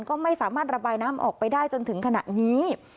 ก็ไม่สามารถระบายน้ำออกไปได้จนถึงขณะนี้